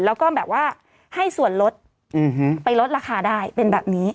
แล้วก็แบบว่าให้ส่วนลดไปลดราคาได้เป็นแบบนี้